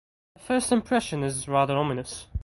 The first impression is rather ominous.